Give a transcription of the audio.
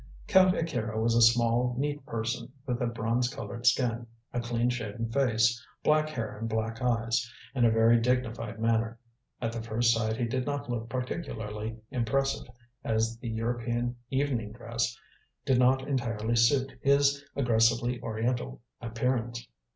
Count Akira was a small, neat person, with a bronze coloured skin, a clean shaven face, black hair and black eyes, and a very dignified manner. At the first sight he did not look particularly impressive, as the European evening dress did not entirely suit his aggressively Oriental appearance.